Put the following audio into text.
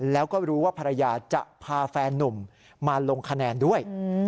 แล้วก็รู้ว่าภรรยาจะพาแฟนนุ่มมาลงคะแนนด้วย